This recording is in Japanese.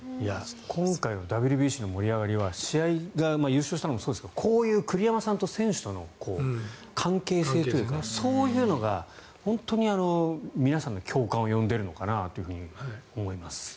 今回のＷＢＣの盛り上がりは試合が優勝したのもそうですけどこういう栗山さんと選手との関係性といいますかそういうのが本当に皆さんの共感を呼んでいるのかなと思います。